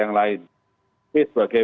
yang lain tapi sebagai